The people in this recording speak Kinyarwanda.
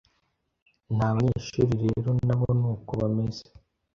n’abanyeshuri rero nabo nuko bameze